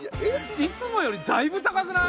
いつもよりだいぶ高くない？